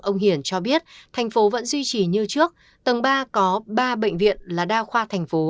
ông hiển cho biết thành phố vẫn duy trì như trước tầng ba có ba bệnh viện là đa khoa thành phố